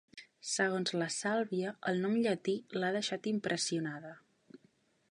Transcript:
Segons la Sàlvia, el nom llatí l'ha deixat impressionada.